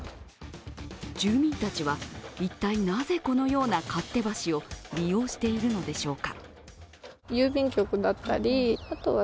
住民たちは一体なぜこのような勝手橋を利用しているのでしょうか。